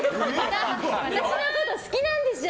私のこと好きなんでしょ？